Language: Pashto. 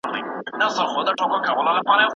را روان مې سل اویا اوښان کتار کړل